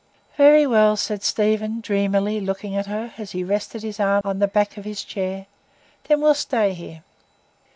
"Very well," said Stephen, dreamily, looking at her, as he rested his arm on the back of his chair. "Then we'll stay here."